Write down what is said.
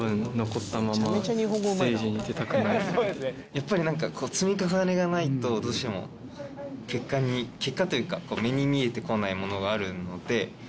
やっぱり積み重ねがないとどうしても結果に結果というか目に見えてこないものがあるので。